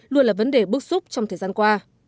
luôn là vấn đề bước xúc trong thời gian qua